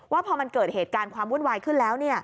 ว่าพอมันเกิดเหตุการณ์ความวุ่นวายขึ้นแล้ว